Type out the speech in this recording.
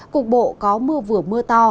cục bộ có mưa vừa mưa to